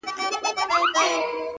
چي واکداران مو د سرونو په زاريو نه سي!